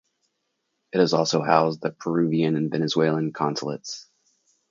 It has also housed the Peruvian and Venezuelan consulates.